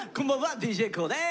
ＤＪＫＯＯです！